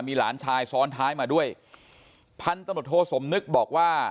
มีหลานชายซ้อนท้ายมาด้วยพันธุ์ตำรวจโทสมนึกบอกว่า